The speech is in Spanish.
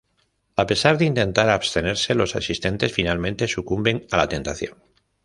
A pesar de intentar abstenerse, los asistentes finalmente sucumben a la tentación.